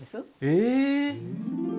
え！